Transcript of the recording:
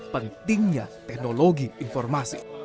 pentingnya teknologi informasi